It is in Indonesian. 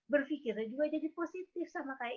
berfikirnya juga jadi positif sama kayak